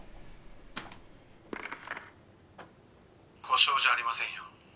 「故障じゃありませんよ」